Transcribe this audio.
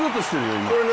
今。